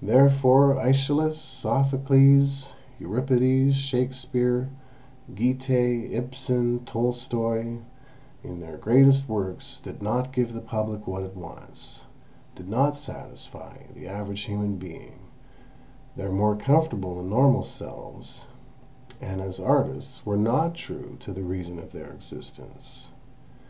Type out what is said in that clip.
Therefore AEschylus, Sophocles, Euripides, Shakespeare, Goethe, Ibsen, Tolstoy, in their greatest works did not give the Public what it wants, did not satisfy the average human being, their more comfortable and normal selves, and as artists were not true to the reason of their existence.